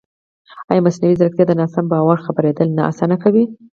ایا مصنوعي ځیرکتیا د ناسم باور خپرېدل نه اسانه کوي؟